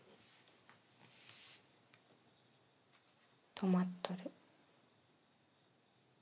止まっとる。